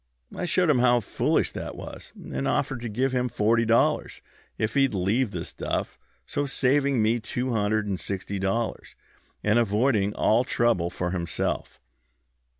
I showed him how foolish that was, and offered to give him forty dollars if he'd leave the stuff, so saving me two hundred and sixty dollars, and avoiding all trouble for himself.